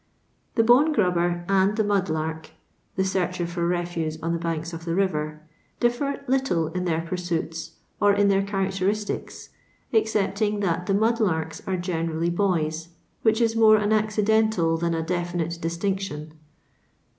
The bone grubber and the mud lark (the searcher for refuse on the banks of the river) differ little in their pursuits or in their character istics, excepting that the mud larks are generally boys, which is more an accidental than a definite distinction.